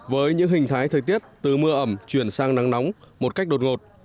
với những hình thái thời tiết từ mưa ẩm chuyển sang nắng nóng một cách đột ngột